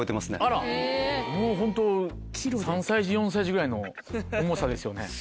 もうホント３歳児４歳児ぐらいの重さですよね。